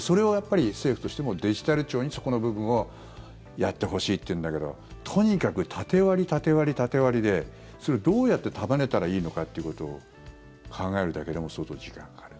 それをやっぱり政府としてもデジタル庁に、そこの部分をやってほしいっていうんだけどとにかく縦割り、縦割り、縦割りでそれをどうやって束ねたらいいのかということを考えるだけでも相当時間がかかる。